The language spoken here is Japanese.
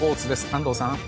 安藤さん。